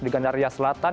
di gandaria selatan